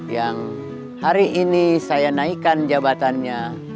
yang hari ini saya naikkan jabatannya